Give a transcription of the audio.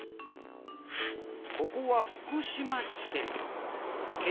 ここは福島地検。